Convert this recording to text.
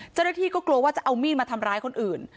เจ้าหน้าที่ก็กลัวว่าจะเอามีดมาทำร้ายคนอื่น